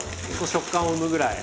食感を生むぐらい。